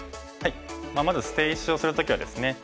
まず捨て石をする時はですね